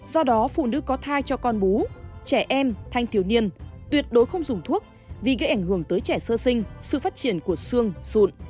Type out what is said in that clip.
nếu có thai cho con bú trẻ em thanh thiếu niên tuyệt đối không dùng thuốc vì gây ảnh hưởng tới trẻ sơ sinh sự phát triển của xương sụn